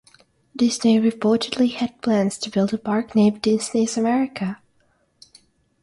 Disney reportedly had plans to build a park named Disney's America.